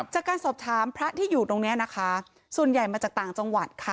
จากการสอบถามพระที่อยู่ตรงนี้นะคะส่วนใหญ่มาจากต่างจังหวัดค่ะ